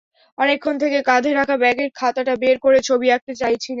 অনেকক্ষণ থেকে কাঁধে রাখা ব্যাগের খাতাটা বের করে ছবি আঁকতে চাইছিলেন।